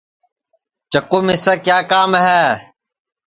چکُو مِسے کیا کام ہے